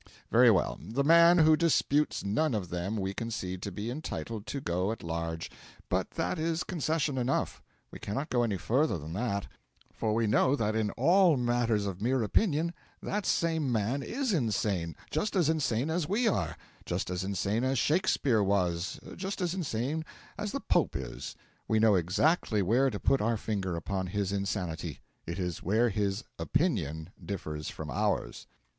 Very well, the man who disputes none of them we concede to be entitled to go at large but that is concession enough; we cannot go any further than that; for we know that in all matters of mere opinion that same man is insane just as insane as we are; just as insane as Shakespeare was, just as insane as the Pope is. We know exactly where to put our finger upon his insanity; it is where his opinion differs from ours.